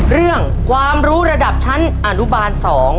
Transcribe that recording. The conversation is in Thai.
เรื่องความรู้ระดับชั้นอนุบาล๒